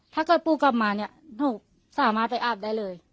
ถ้าเกิดปู่ไปกลับมานี่สามารถไปอาบได้เลย